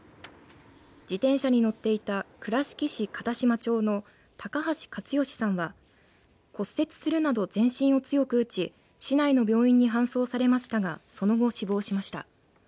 自転車に乗っていた倉敷市片島町の高橋克美さんは骨折するなど全身を強く打ち市内の病院に搬送されましたがその後、死亡しました。